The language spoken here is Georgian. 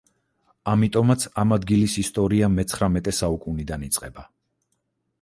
ამიტომაც ამ ადგილის ისტორია მეცხრამეტე საუკუნიდან იწყება.